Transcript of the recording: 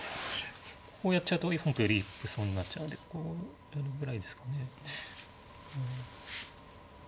こうやっちゃうと本譜より一歩損になっちゃうんでこう寄るぐらいですかね。